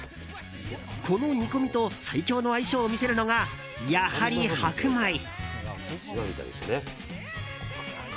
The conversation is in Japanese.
この煮込みと最強の相性を見せるのがやはり白米。